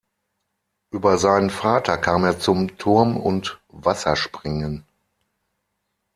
Über seinen Vater kam er zum Turm- und Wasserspringen.